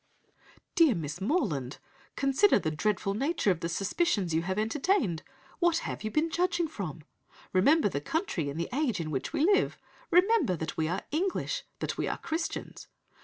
"Dear Miss Morland, consider the dreadful nature of the suspicions you have entertained. What have you been judging from? Remember the country and the age in which we live. Remember that we are English: that we are Christians.